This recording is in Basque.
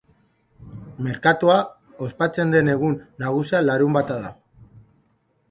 Merkatua ospatzen den egun nagusia larunbata da.